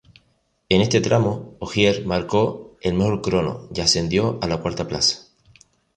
En este tramo Ogier marcó el mejor crono y ascendió a la cuarta plaza.